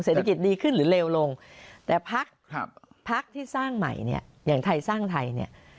เศรษฐกิจดีขึ้นหรือเลวลงแต่พักครับพักที่สร้างใหม่เนี่ยอย่างไทยสร้างไทยเนี่ย